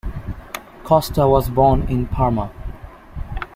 Costa was born in Parma.